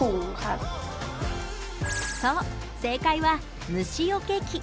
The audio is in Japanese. そう正解は虫よけ機。